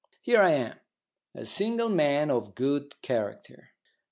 Here am I, a single man of good character.